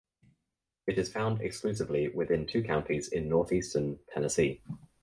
It is found exclusively within two counties in northeastern Tennessee.